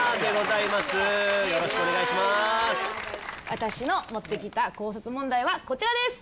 私の持ってきた考察問題はこちらです。